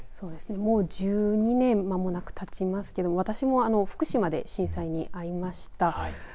もう１２年間もう間もなくたちますけど私も福島で震災にあいました。